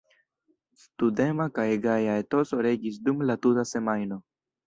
Studema kaj gaja etoso regis dum la tuta semajno.